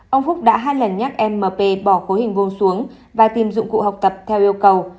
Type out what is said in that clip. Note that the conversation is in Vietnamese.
ông phúc đã hai lần nhắc em mp bỏ khối hình gôm xuống và tìm dụng cụ học tập theo yêu cầu